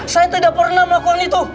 saya tidak pernah melakukan itu